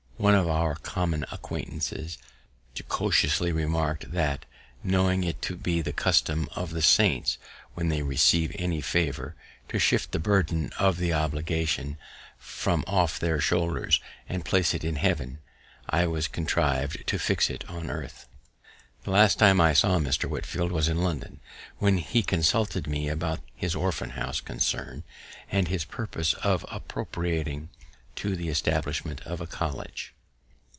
_" One of our common acquaintance jocosely remark'd, that, knowing it to be the custom of the saints, when they received any favour, to shift the burden of the obligation from off their own shoulders, and place it in heaven, I had contriv'd to fix it on earth. The last time I saw Mr. Whitefield was in London, when he consulted me about his Orphan House concern, and his purpose of appropriating it to the establishment of a college.